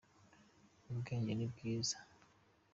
ubwenge nibwiza.